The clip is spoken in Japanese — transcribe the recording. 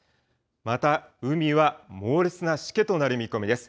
また、海は猛烈なしけとなる見込みです。